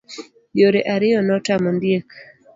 Yore ariyo notamo ondiek.